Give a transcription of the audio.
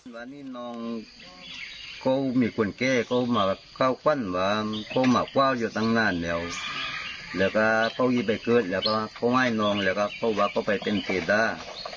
ยากั้นน้องแล้วก็เข้าไปเป็นเตธา